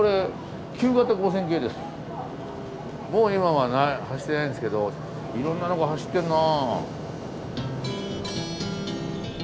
もう今は走ってないんですけどいろんなのが走ってんな。